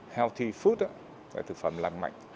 healthy food là thực phẩm lành mạnh